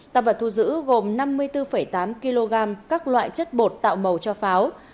tạp vật thu giữ gồm năm mươi bốn tám kg các loại chất bột tạo màu cho pháo